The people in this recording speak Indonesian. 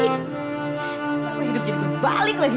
lalu hidup jadi kembalik lagi